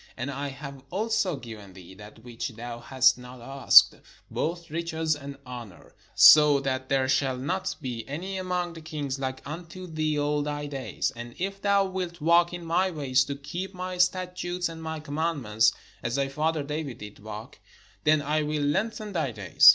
And I have also given thee that which thou hast not asked, both riches, and honour: so that there shall not be any among the kings like unto thee all thy days. And if thou wilt walk in my ways, to keep my statutes and my commandments, as thy father David did walk, then I will lengthen thy days."